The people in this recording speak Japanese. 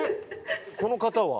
この方は？